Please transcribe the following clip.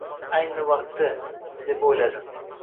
«Ayni vaqti», — deb o'yladim: